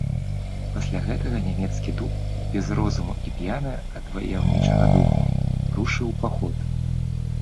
Пасля гэтага нямецкі дуб, без розуму і п'яны ад ваяўнічага духу, рушыў у паход.